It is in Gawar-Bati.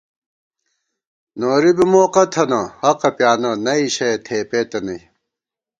نوری بی موقہ تھنہ ، حقہ پیانہ ، نئ شَیَہ تھېپېتہ نئ